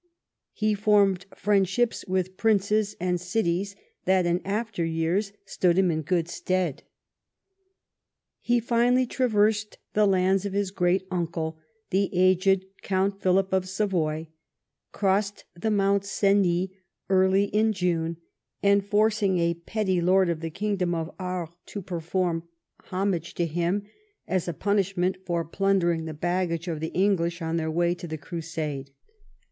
He formed friendships Avith princes and cities that in after years stood him in good stead. He finally traversed the lands of his great uncle, the aged Count Philip of Savoj^, crossing the Mont Cenis early in June, and forcing a petty lord of the kingdom of Aries to perform homage to him as a punishment for plunder ing the baggage of the English on their way to the Crusade.